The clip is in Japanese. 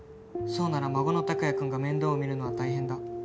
「そうなら孫の託也くんが面倒を見るのは大変だ」